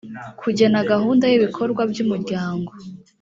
kugena gahunda y ibikorwa by umuryango